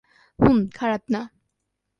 হুম, খারাপ না।